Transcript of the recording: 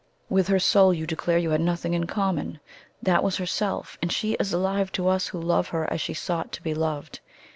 With her soul, you declare you had nothing in common that was herself and she is alive to us who love her as she sought to be loved.